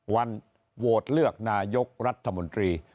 วันโหวตเลือกนายกรัฐมนตรี